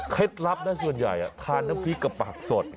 ลับนะส่วนใหญ่ทานน้ำพริกกับผักสด